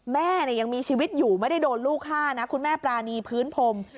แม่ยังมีชีวิตอยู่ไม่ได้โดนลูกฆ่านะคุณแม่ปรานีพื้นพรม